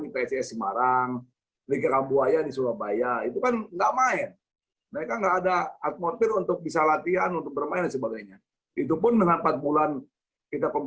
tim tim tim tim